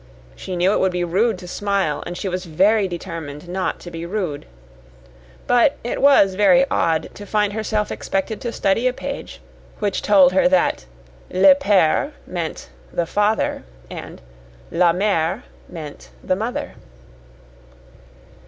She knew it would be rude to smile, and she was very determined not to be rude. But it was very odd to find herself expected to study a page which told her that "le pere" meant "the father," and "la mere" meant "the mother."